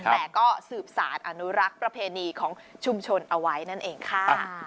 แต่ก็สืบสารอนุรักษ์ประเพณีของชุมชนเอาไว้นั่นเองค่ะ